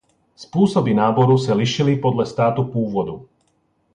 Způsoby náboru se lišily podle státu původu.